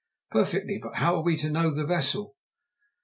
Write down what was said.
"Perfectly. But how are we to know the vessel?"